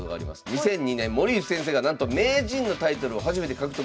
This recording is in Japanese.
２００２年森内先生がなんと名人のタイトルを初めて獲得いたしました。